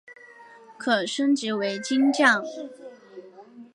可升级为金将。